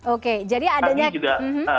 oke jadi adanya